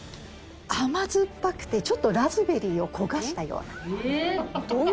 甘酸っぱくてちょっとラズベリーを焦がしたようなにおい。